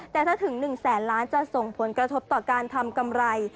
แต่ถ้าถึง๑แสนล้านจะส่งผลกระทบต่อการทำกำไร